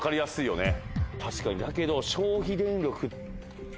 確かにだけど。